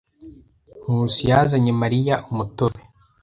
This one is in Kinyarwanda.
Nkusi yazanye Mariya umutobe.